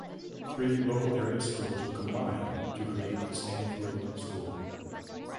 Three local area schools were combined to create Stanfield School.